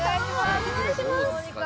お願いします。